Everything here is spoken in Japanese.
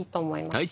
はい。